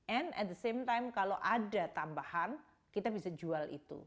and at the same time kalau ada tambahan kita bisa jual itu